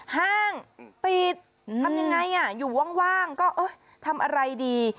ห้างปิดทำยังไงอยู่ว่างก็ทำอะไรดี